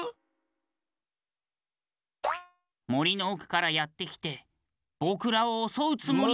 もりのおくからやってきてぼくらをおそうつもりなん。